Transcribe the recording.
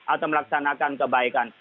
atau melaksanakan kebaikan